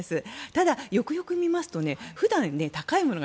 ただ、よくよく見ますと普段、高いものが